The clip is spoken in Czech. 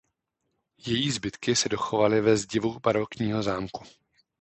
Její zbytky se dochovaly ve zdivu barokního zámku.